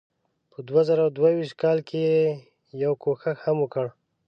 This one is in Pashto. په دوه زره دوه ویشت کال کې یې یو کوښښ هم وکړ.